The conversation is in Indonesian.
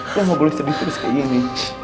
lo gak boleh sedih terus kayak gini